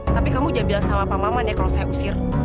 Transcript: tapi kamu jamil sama pak maman ya kalau saya usir